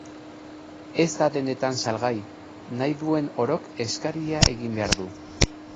Ez da dendetan salgai, nahi duen orok eskaria egin behar du.